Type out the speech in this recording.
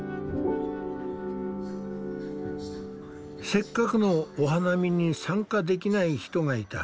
せっかくのお花見に参加できない人がいた。